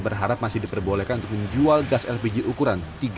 berharap masih diperbolehkan untuk menjual gas lpg ukuran